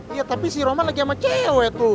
iya tapi si roman lagi sama cewek itu